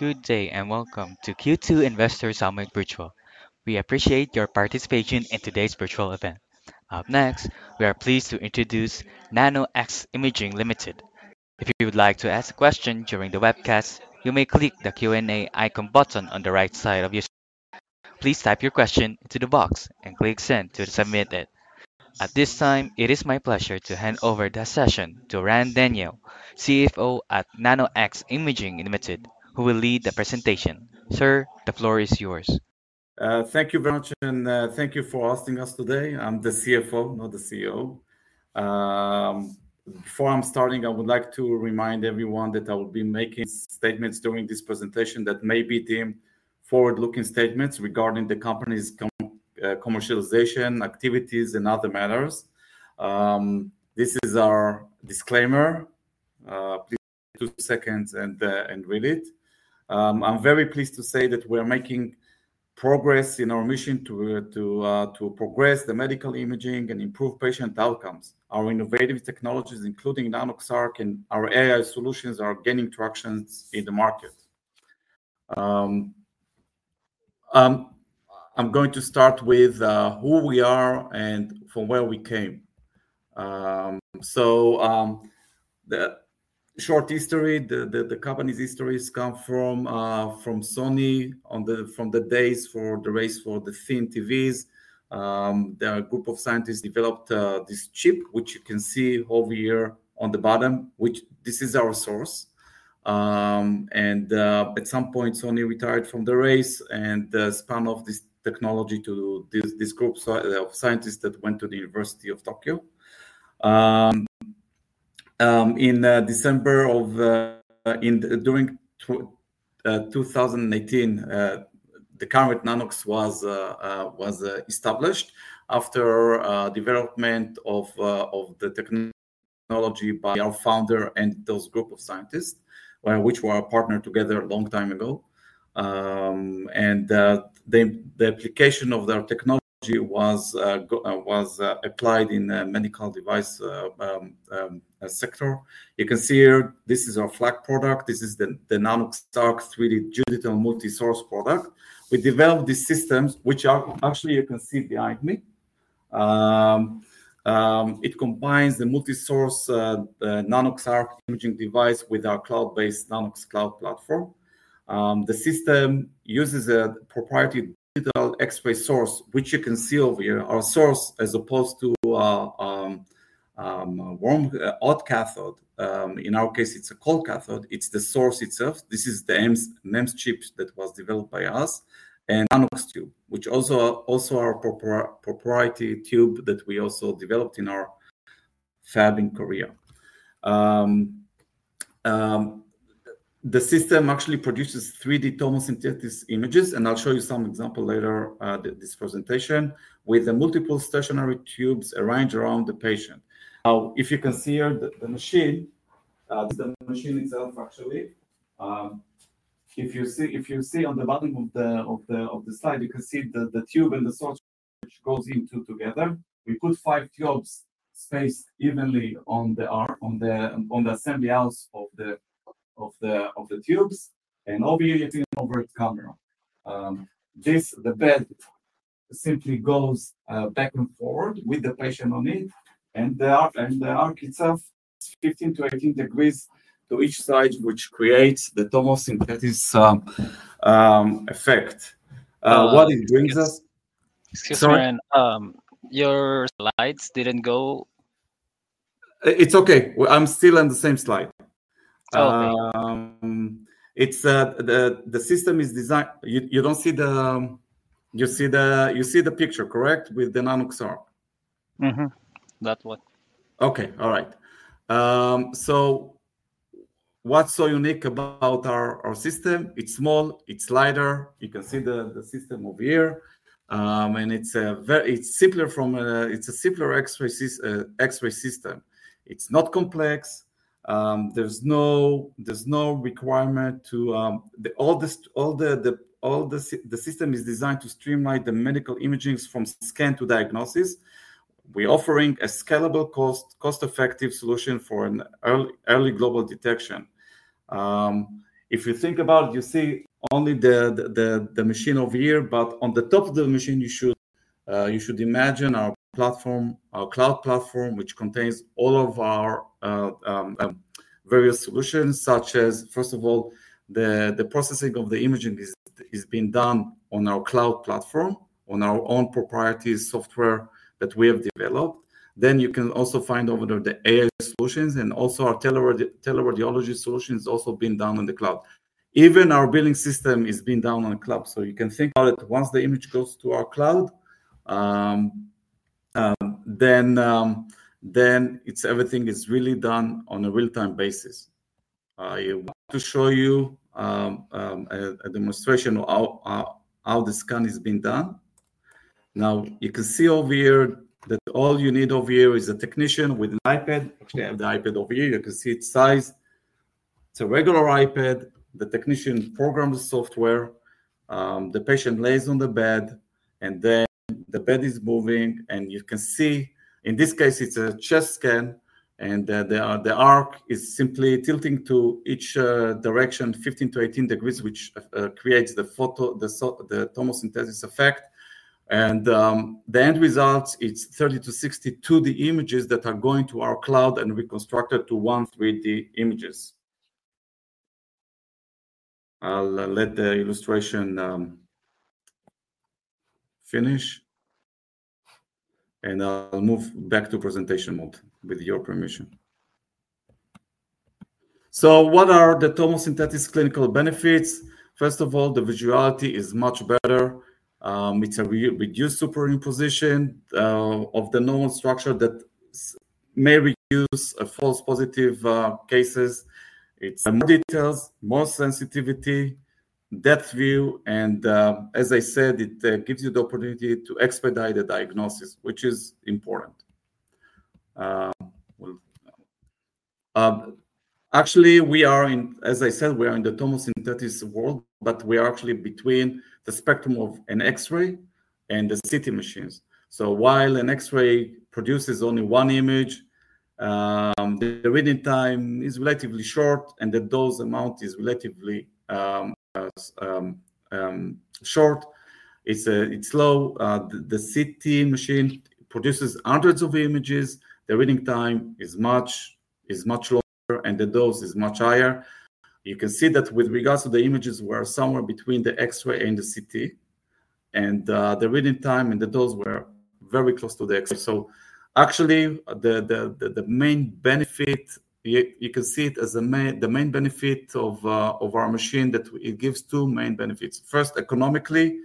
Good day and welcome to Q2 Investor Summit Virtual. We appreciate your participation in today's virtual event. Up next, we are pleased to introduce Nanox Imaging Ltd. If you would like to ask a question during the webcast, you may click the Q&A icon button on the right side of your screen. Please type your question into the box and click Send to submit it. At this time, it is my pleasure to hand over the session to Ran Daniel, CFO at Nanox Imaging Limited, who will lead the presentation. Sir, the floor is yours. Thank you very much, and thank you for hosting us today. I'm the CFO, not the CEO. Before I'm starting, I would like to remind everyone that I will be making statements during this presentation that may be deemed forward-looking statements regarding the company's commercialization activities and other matters. This is our disclaimer. Please take two seconds and read it. I'm very pleased to say that we are making progress in our mission to progress the medical imaging and improve patient outcomes. Our innovative technologies, including Nanox.ARC and our AI solutions, are gaining traction in the market. I'm going to start with who we are and from where we came. So short history, the company's history comes from Sony from the days for the race for the thin TVs. The group of scientists developed this chip, which you can see over here on the bottom, which this is our source. At some point, Sony retired from the race and spun off this technology to this group of scientists that went to the University of Tokyo. In December of 2018, the current Nanox was established after development of the technology. Our founder and those group of scientists, which were partnered together a long time ago. The application of their technology was applied in the medical device sector. You can see here, this is our flag product. This is the Nanox.ARC 3D digital multi-source product. We developed these systems, which are actually you can see behind me. It combines the multi-source Nanox.ARC imaging device with our cloud-based Nanox Cloud platform. The system uses a proprietary digital X-ray source, which you can see over here, our source as opposed to a warm hot cathode. In our case, it's a cold cathode. It's the source itself. This is the MEMS chip that was developed by us and Nanox Tube, which also are a proprietary tube that we also developed in our fab in Korea. The system actually produces 3D tomosynthetic images, and I'll show you some examples later in this presentation with the multiple stationary tubes arranged around the patient. Now, if you can see here, the machine, the machine itself, actually, if you see on the bottom of the slide, you can see the tube and the source which goes into together. We put five tubes spaced evenly on the assembly house of the tubes and over here you can see over the camera. This, the bed simply goes back and forward with the patient on it. The arc itself, it's 15-18 degrees to each side, which creates the tomosynthetic effect. What it brings us. Excuse me, Ran, your slides did not go. It's okay. I'm still on the same slide. Okay. The system is designed, you do not see the, you see the picture, correct, with the Nanox.ARC? Mm-hmm. That one. Okay. All right. What's so unique about our system? It's small, it's lighter. You can see the system over here. It's a simpler X-ray system. It's not complex. There's no requirement to, all the system is designed to streamline the medical imaging from scan to diagnosis. We're offering a scalable, cost-effective solution for an early global detection. If you think about it, you see only the machine over here, but on the top of the machine, you should imagine our cloud platform, which contains all of our various solutions, such as, first of all, the processing of the imaging is being done on our cloud platform, on our own proprietary software that we have developed. Then you can also find over there the AI solutions and also our teloradiology solution has also been done on the cloud. Even our billing system has been done on the cloud. You can think about it, once the image goes to our cloud, then everything is really done on a real-time basis. I want to show you a demonstration of how the scan has been done. Now, you can see over here that all you need over here is a technician with an iPad. Actually, I have the iPad over here. You can see its size. It's a regular iPad. The technician programs the software. The patient lays on the bed, and then the bed is moving. You can see, in this case, it's a chest scan. The arc is simply tilting to each direction, 15-18 degrees, which creates the tomosynthesis effect. The end result, it's 30-60 2D images that are going to our cloud and reconstructed to 1 3D images. I'll let the illustration finish. I'll move back to presentation mode with your permission. What are the tomosynthetic clinical benefits? First of all, the visuality is much better. It's a reduced superimposition of the normal structure that may reduce false positive cases. It's more details, more sensitivity, depth view. As I said, it gives you the opportunity to expedite the diagnosis, which is important. Actually, as I said, we are in the tomosynthetic world, but we are actually between the spectrum of an X-ray and the CT machines. While an X-ray produces only one image, the reading time is relatively short, and the dose amount is relatively short. It's slow. The CT machine produces hundreds of images. The reading time is much longer, and the dose is much higher. You can see that with regards to the images, we are somewhere between the X-ray and the CT. The reading time and the dose were very close to the X-ray. Actually, the main benefit, you can see it as the main benefit of our machine, is that it gives two main benefits. First, economically,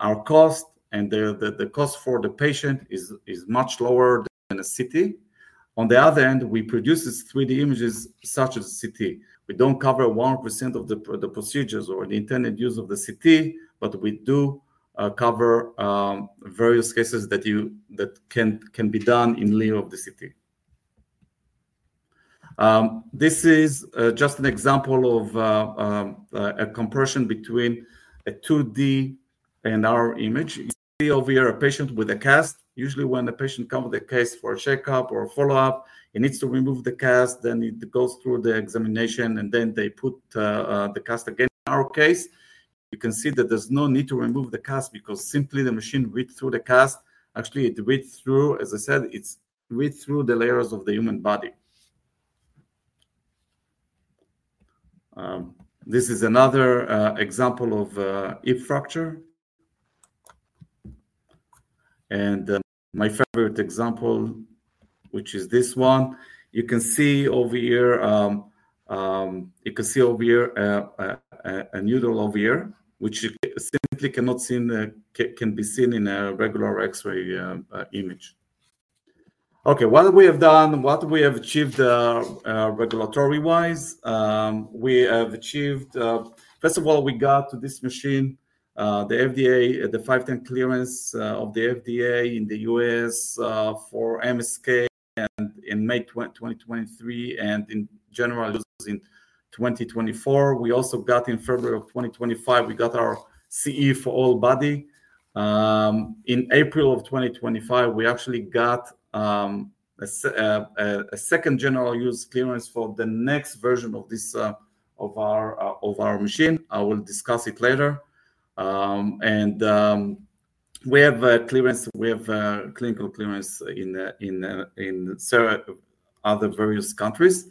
our cost and the cost for the patient is much lower than a CT. On the other hand, we produce 3D images such as CT. We do not cover 1% of the procedures or the intended use of the CT, but we do cover various cases that can be done in lieu of the CT. This is just an example of a comparison between a 2D and our image. You see over here a patient with a cast. Usually, when a patient comes with a case for a checkup or a follow-up, he needs to remove the cast. It goes through the examination, and then they put the cast again. In our case, you can see that there's no need to remove the cast because simply the machine reads through the cast. Actually, it reads through, as I said, it reads through the layers of the human body. This is another example of hip fracture. My favorite example, which is this one. You can see over here, you can see over here a needle over here, which simply cannot be seen in a regular X-ray image. Okay, what we have done, what we have achieved regulatory-wise, we have achieved, first of all, we got to this machine, the FDA, the 510(k) clearance of the FDA in the U.S. for MSK in May 2023 and in general using 2024. We also got in February of 2025, we got our CE for all body. In April of 2025, we actually got a second general use clearance for the next version of our machine. I will discuss it later. We have a clearance, we have clinical clearance in other various countries.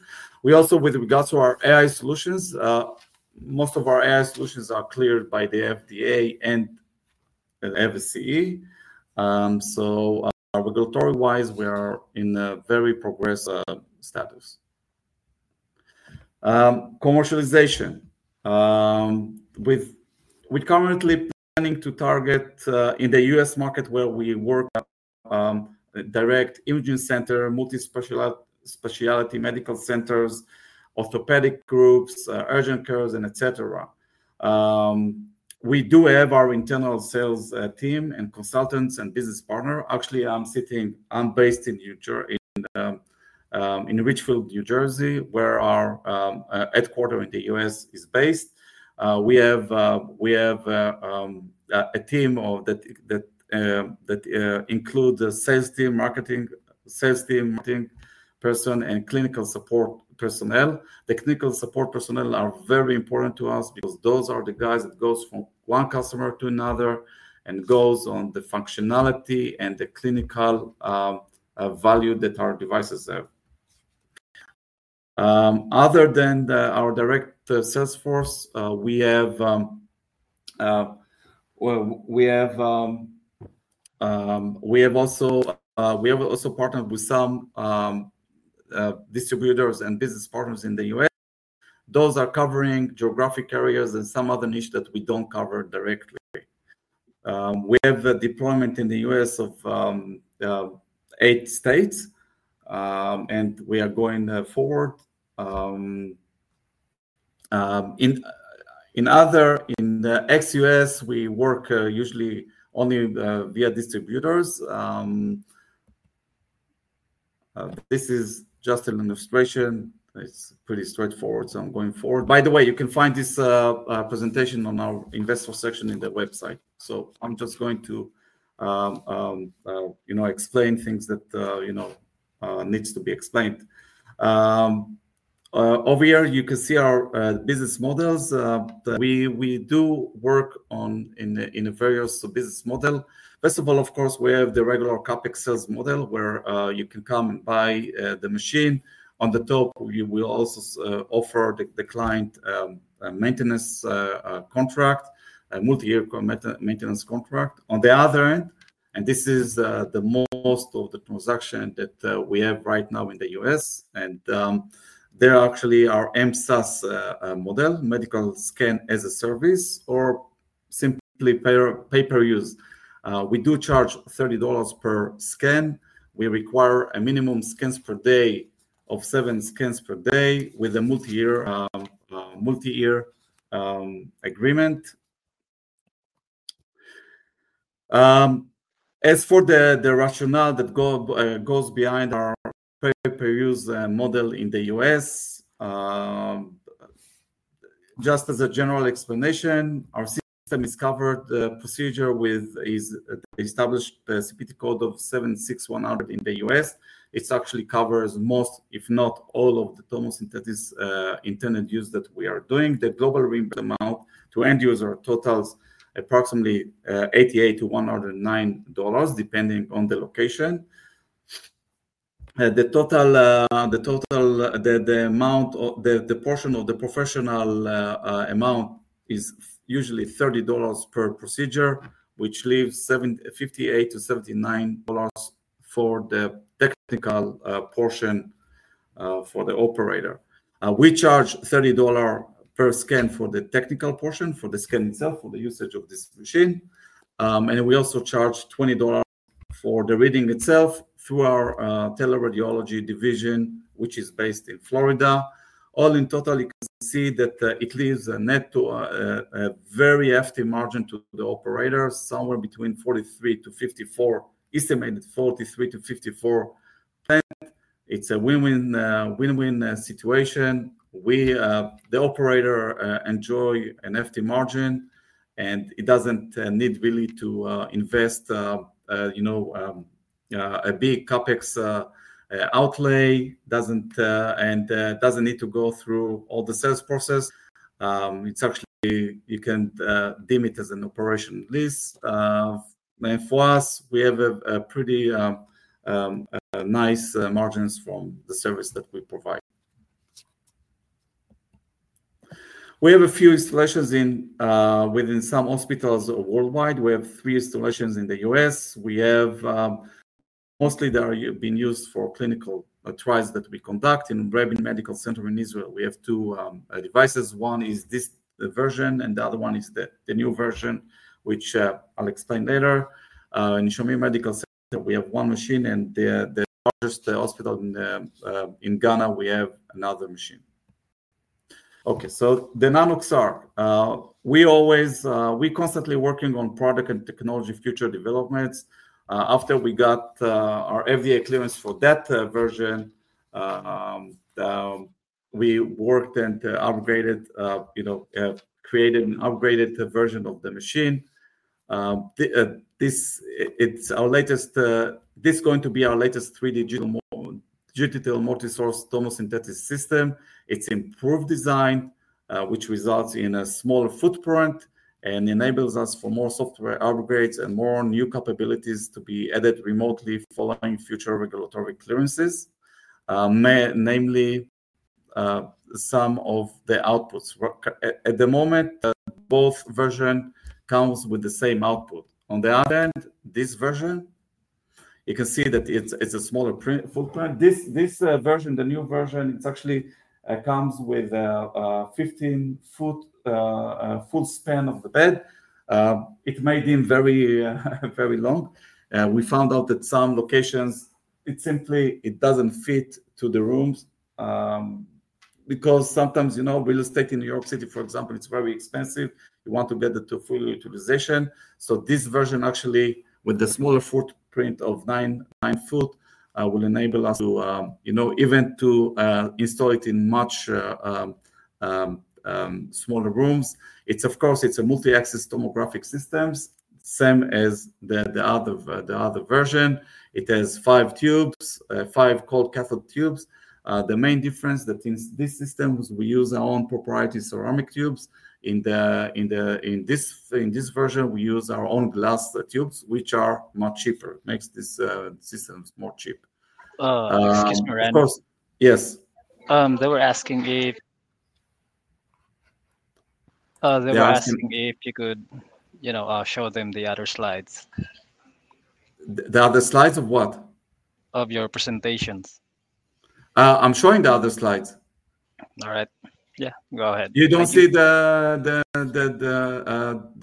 Also, with regards to our AI solutions, most of our AI solutions are cleared by the FDA and FSCE. Regulatory-wise, we are in a very progressive status. Commercialization. We're currently planning to target in the US market where we work direct imaging center, multispecialty medical centers, orthopedic groups, urgent cares, etc. We do have our internal sales team and consultants and business partners. Actually, I'm sitting, I'm based in New Jersey, in Richfield, New Jersey, where our headquarters in the US is based. We have a team that includes a sales team, marketing person, and clinical support personnel. Technical support personnel are very important to us because those are the guys that go from one customer to another and go on the functionality and the clinical value that our devices have. Other than our direct sales force, we have also partnered with some distributors and business partners in the U.S. Those are covering geographic areas and some other niche that we do not cover directly. We have a deployment in the U.S. of eight states, and we are going forward. In ex-U.S., we work usually only via distributors. This is just an illustration. It is pretty straightforward, so I am going forward. By the way, you can find this presentation on our investor section in the website. I am just going to explain things that need to be explained. Over here, you can see our business models. We do work in a various business model. First of all, of course, we have the regular capEx sales model where you can come and buy the machine. On the top, we will also offer the client a maintenance contract, a multi-year maintenance contract. On the other end, and this is the most of the transaction that we have right now in the U.S., and there are actually our MSaaS model, medical scan as a service or simply pay-per-use. We do charge $30 per scan. We require a minimum scans per day of seven scans per day with a multi-year agreement. As for the rationale that goes behind our pay-per-use model in the U.S., just as a general explanation, our system is covered procedure with established CPT code of 76100 in the U.S. It actually covers most, if not all of the tomosynthetic intended use that we are doing. The global reimbursement amount to end user totals approximately $88-$109, depending on the location. The total amount, the portion of the professional amount is usually $30 per procedure, which leaves $58-$79 for the technical portion for the operator. We charge $30 per scan for the technical portion, for the scan itself, for the usage of this machine. We also charge $20 for the reading itself through our teleradiology division, which is based in Florida. All in total, you can see that it leaves a net to a very hefty margin to the operator, somewhere between $43-$54, estimated $43-$54. It's a win-win situation. The operator enjoys a hefty margin, and it doesn't need really to invest a big capEx outlay and doesn't need to go through all the sales process. It's actually, you can deem it as an operation lease. For us, we have pretty nice margins from the service that we provide. We have a few installations within some hospitals worldwide. We have three installations in the U.S. Mostly, they are being used for clinical trials that we conduct. In Rabin Medical Center in Israel, we have two devices. One is this version, and the other one is the new version, which I'll explain later. In Shamir Medical Center, we have one machine, and in the largest hospital in Ghana, we have another machine. The Nanox.ARC, we are constantly working on product and technology future developments. After we got our FDA clearance for that version, we worked and created an upgraded version of the machine. This is our latest, this is going to be our latest 3D digital multi-source tomosynthesis system. It's improved design, which results in a smaller footprint and enables us for more software upgrades and more new capabilities to be added remotely following future regulatory clearances, namely some of the outputs. At the moment, both versions come with the same output. On the other hand, this version, you can see that it's a smaller footprint. This version, the new version, it actually comes with a 15-foot full span of the bed. It may be very long. We found out that some locations, it simply doesn't fit to the rooms because sometimes real estate in New York City, for example, it's very expensive. You want to get the full utilization. This version, actually, with the smaller footprint of 9 foot, will enable us to even install it in much smaller rooms. Of course, it's a multi-axis tomographic system, same as the other version. It has five cathode tubes. The main difference is that in this system, we use our own proprietary ceramic tubes. In this version, we use our own glass tubes, which are much cheaper. It makes this system more cheap. Excuse me, Ran. Of course. Yes. They were asking if you could show them the other slides. The other slides of what? Of your presentations. I'm showing the other slides. All right. Yeah, go ahead. You don't see the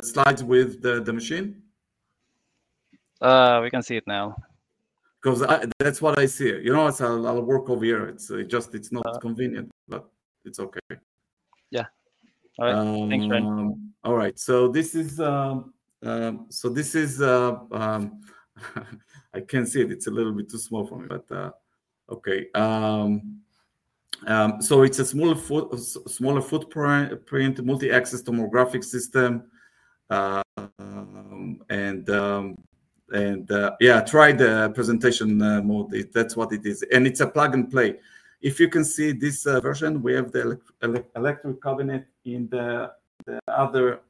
slides with the machine? We can see it now. Because that's what I see. I'll work over here. It's just not convenient, but it's okay. Yeah. All right. Thanks, Ran. All right. So this is, I can see it. It's a little bit too small for me, but okay. It is a smaller footprint, multi-axis tomographic system. Yeah, try the presentation mode. That's what it is. It's a plug-and-play. If you can see this version, we have the electric cabinet on the other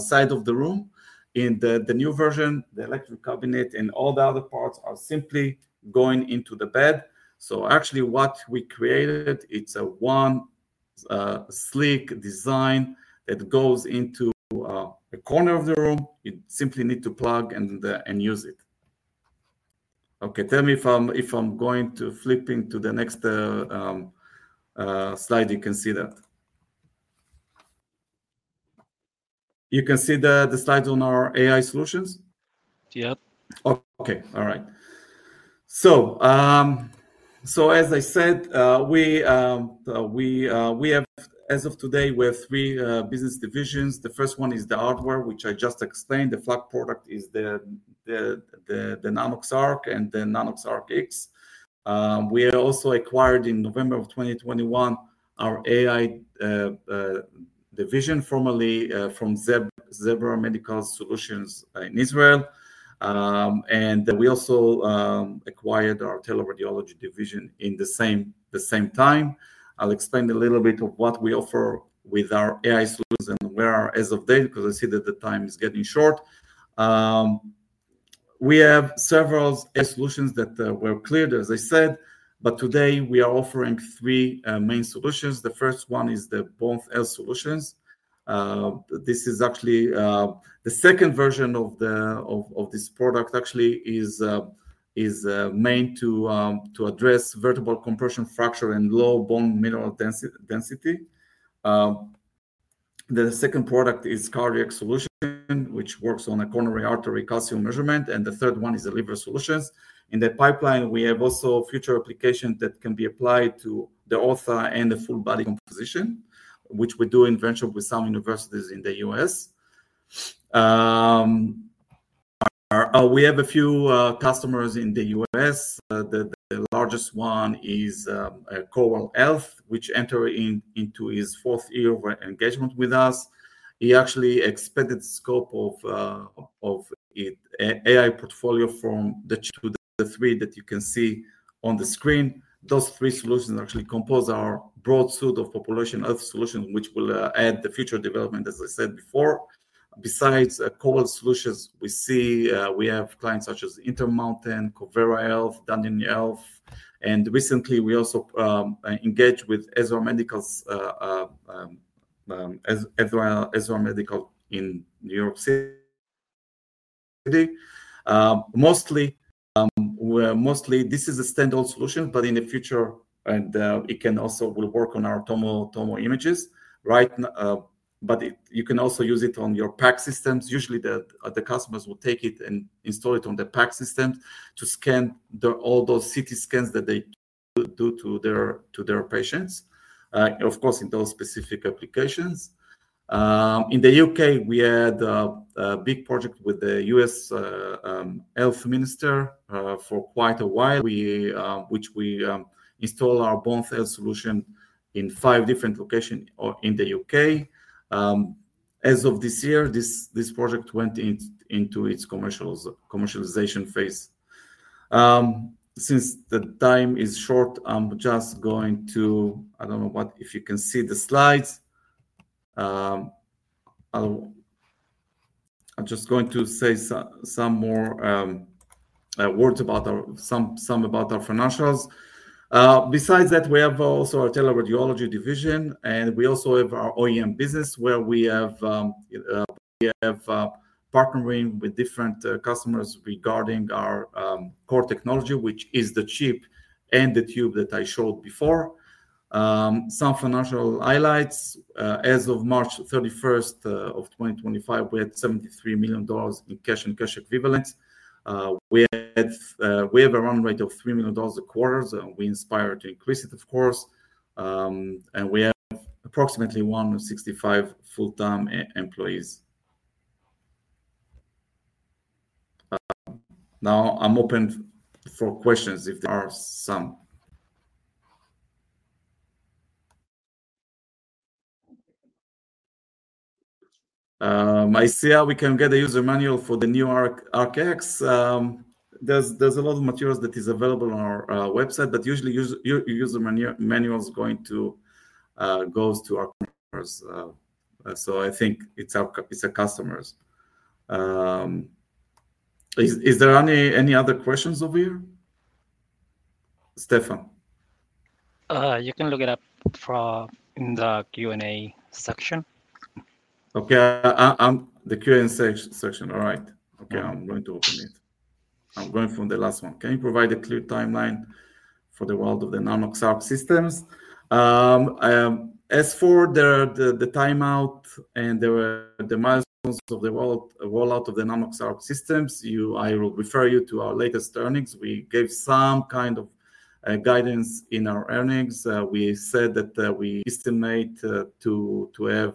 side of the room. In the new version, the electric cabinet and all the other parts are simply going into the bed. Actually, what we created, it's a one-sleek design that goes into a corner of the room. You simply need to plug and use it. Okay, tell me if I'm going to flip into the next slide, you can see that. You can see the slides on our AI solutions? Yep. Okay. All right. As I said, as of today, we have three business divisions. The first one is the hardware, which I just explained. The flag product is the Nanox.ARC and the Nanox.ARC X. We also acquired in November 2021 our AI division, formerly from Zebra Medical Vision in Israel. We also acquired our teleradiology division at the same time. I'll explain a little bit of what we offer with our AI solutions and where we are as of today because I see that the time is getting short. We have several solutions that were cleared, as I said, but today we are offering three main solutions. The first one is the Bone Health Solution. This is actually the second version of this product, actually is made to address vertebral compression fracture and low bone mineral density. The second product is Cardiac Solution, which works on a coronary artery calcium measurement. The third one is the Liver Solution. In the pipeline, we have also future applications that can be applied to the ortho and the full body composition, which we do in venture with some universities in the U.S. We have a few customers in the U.S. The largest one is Kaiser Permanente, which entered into its fourth year of engagement with us. He actually expanded the scope of the AI portfolio from the two to the three that you can see on the screen. Those three solutions actually compose our broad suite of population health solutions, which will add the future development, as I said before. Besides Kaiser, we have clients such as Intermountain, Covera Health, Dundee Health. Recently, we also engaged with Ezra Medical in New York City. Mostly, this is a standalone solution, but in the future, it can also work on our tomo images. You can also use it on your PAC systems. Usually, the customers will take it and install it on the PAC systems to scan all those CT scans that they do to their patients, of course, in those specific applications. In the U.K., we had a big project with the U.S. Health Minister for quite a while, which we installed our Bone Health Solution in five different locations in the U.K. As of this year, this project went into its commercialization phase. Since the time is short, I'm just going to, I don't know if you can see the slides. I'm just going to say some more words about some of our financials. Besides that, we have also our teleradiology division, and we also have our OEM business where we have partnering with different customers regarding our core technology, which is the chip and the tube that I showed before. Some financial highlights. As of March 31, 2025, we had $73 million in cash and cash equivalents. We have a run rate of $3 million a quarter, so we aspire to increase it, of course. We have approximately 165 full-time employees. Now, I'm open for questions if there are some. I see how we can get a user manual for the new Nanox.ARC X. There is a lot of materials that are available on our website, but usually, user manuals are going to go to our customers. So I think it's our customers. Is there any other questions over here? Stefan. You can look it up in the Q&A section. Okay. The Q&A section. All right. Okay. I'm going to open it. I'm going for the last one. Can you provide a clear timeline for the rollout of the Nanox.ARC systems? As for the timeline and the milestones of the rollout of the Nanox.ARC systems, I will refer you to our latest earnings. We gave some kind of guidance in our earnings. We said that we estimate to have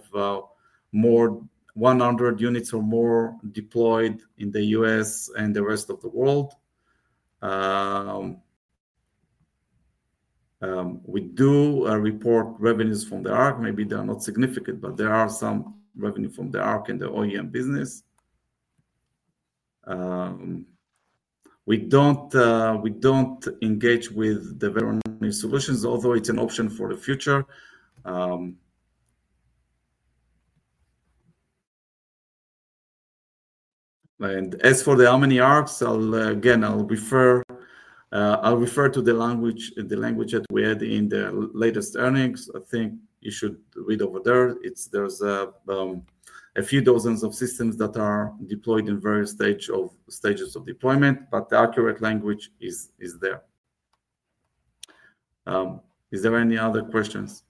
more than 100 units or more deployed in the U.S. and the rest of the world. We do report revenues from the ARC. Maybe they are not significant, but there are some revenues from the ARC and the OEM business. We do not engage with the journey solutions, although it is an option for the future. As for the Omni-ARCs, again, I will refer to the language that we had in the latest earnings. I think you should read over there. There are a few dozens of systems that are deployed in various stages of deployment, but the accurate language is there. Is there any other questions?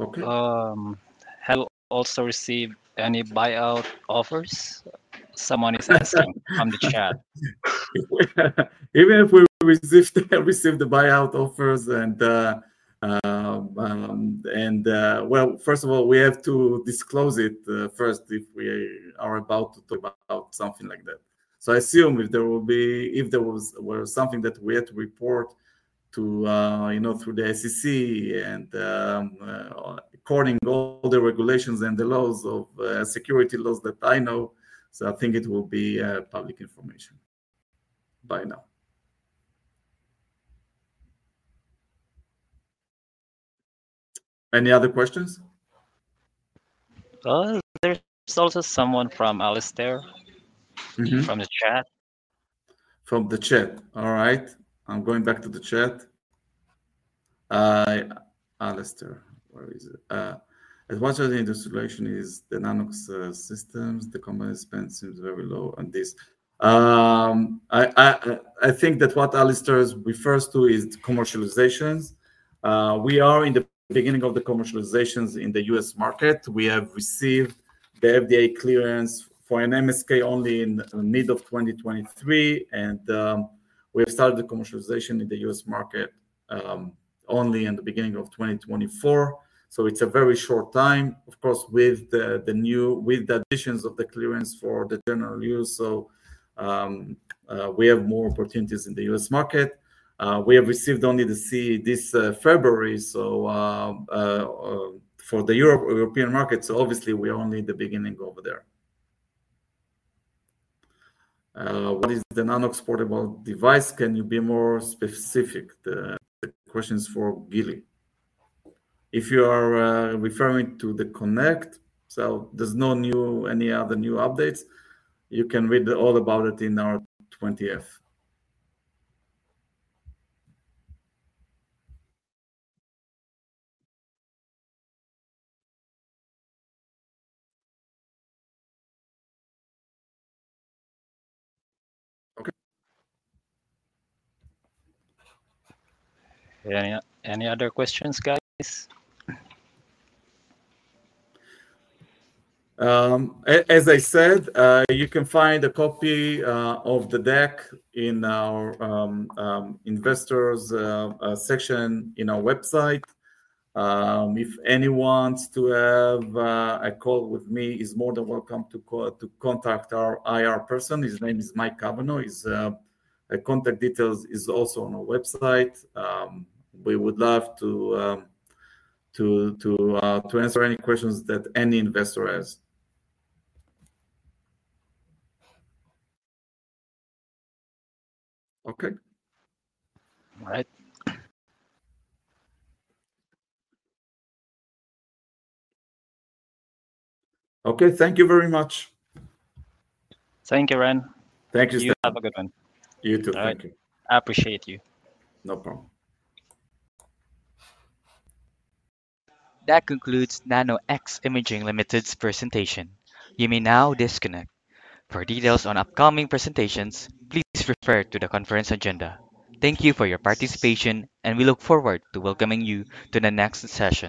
Okay. Have you also received any buyout offers? Someone is asking from the chat. Even if we received the buyout offers and, first of all, we have to disclose it first if we are about to talk about something like that. I assume if there was something that we had to report through the SEC and according to all the regulations and the laws of security laws that I know, I think it will be public information by now. Any other questions? There's also someone from Alastair from the chat. From the chat. All right. I'm going back to the chat. Alastair, where is it? Advisory Industry Relation is the Nanox systems. The common spend seems very low on this. I think that what Alastair refers to is commercializations. We are in the beginning of the commercializations in the U.S. market. We have received the FDA clearance for an MSK only in mid of 2023, and we have started the commercialization in the U.S. market only in the beginning of 2024. It is a very short time, of course, with the additions of the clearance for the general use. We have more opportunities in the U.S. market. We have received only this February, for the European market, so obviously, we are only in the beginning over there. What is the Nanox portable device? Can you be more specific? The question is for Gilly. If you are referring to the Connect, there are no new, any other new updates, you can read all about it in our 20F. Okay. Any other questions, guys? As I said, you can find a copy of the deck in our investors' section in our website. If anyone wants to have a call with me, is more than welcome to contact our IR person. His name is Mike Cavanaugh. His contact details are also on our website. We would love to answer any questions that any investor has. Okay. All right. Okay. Thank you very much. Thank you, Ran. Thank you. You have a good one. You too. Thank you. I appreciate you. No problem. That concludes Nanox Imaging's presentation. You may now disconnect. For details on upcoming presentations, please refer to the conference agenda. Thank you for your participation, and we look forward to welcoming you to the next session.